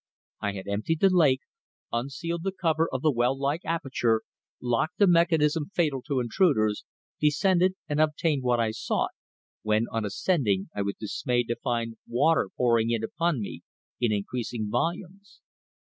I had emptied the lake, unsealed the cover of the well like aperture, locked the mechanism fatal to intruders, descended and obtained what I sought, when on ascending I was dismayed to find water pouring in upon me in increasing volumes.